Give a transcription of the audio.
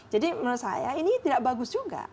jadi menurut saya ini tidak bagus juga